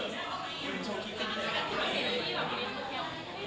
สวัสดีครับ